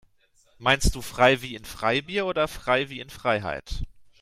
Meinst du frei wie in Freibier oder frei wie in Freiheit?